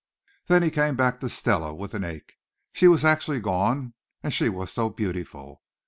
Then he came back to Stella with an ache. She was actually gone, and she was so beautiful.